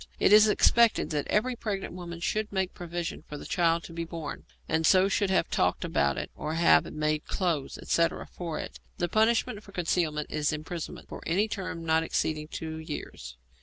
It is expected that every pregnant woman should make provision for the child about to be born, and so should have talked about it or have made clothes, etc., for it. The punishment for concealment is imprisonment for any term not exceeding two years.